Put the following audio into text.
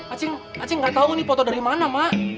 aceh aceh gak tahu ini foto dari mana mak